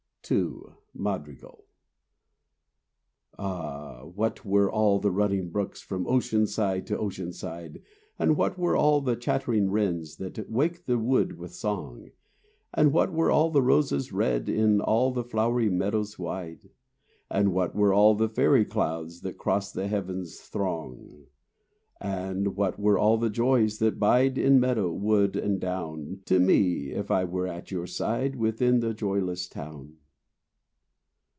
II—Madrigal Ah! what were all the running brooks From ocean side to ocean side, And what were all the chattering wrens That wake the wood with song, And what were all the roses red In all the flowery meadows wide, And what were all the fairy clouds That 'cross the heavens throng— And what were all the joys that bide In meadow, wood and down, To me, if I were at your side Within the joyless town?